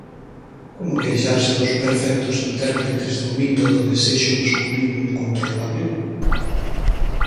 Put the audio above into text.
Como queixarse dos perfectos intérpretes do mito do desexo masculino incontrolable?